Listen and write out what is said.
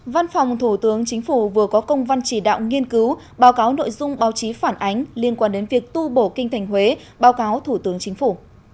văn phòng thủ tướng chính phủ vừa có công văn chỉ đạo nghiên cứu báo cáo nội dung báo chí phản ánh liên quan đến việc tu bổ kinh thành huế báo cáo thủ tướng chính phủ